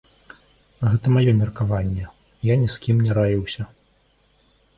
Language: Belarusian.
Гэта маё меркаванне, я ні з кім не раіўся.